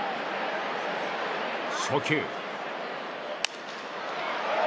初球。